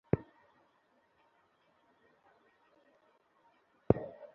স্মার্টফোনের মাধ্যমে ইতিমধ্যেই থার্মোস্ট্যাট থেকে হোম থিয়েটারে সবকিছু নিয়ন্ত্রণ করা সম্ভব হয়েছে।